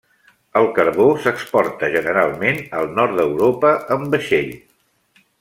El carbó s'exporta generalment al nord d'Europa amb vaixell.